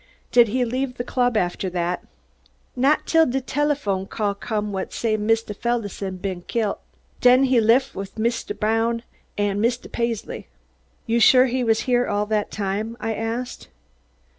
"Did he leave the club after that?" "Not 'til de telephone call come whut says Mist' Feldahson ben killt. Den he lef wif Mist' Brown an' Mist' Paisley." "You're sure he was here all that time?" I asked.